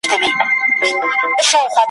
دا واعظ مي آزمېیلی په پیمان اعتبار نسته ,